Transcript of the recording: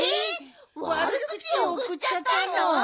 わるくちおくっちゃったの？